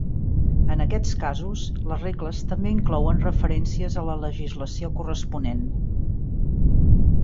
En aquests casos, les regles també inclouen referències a la legislació corresponent.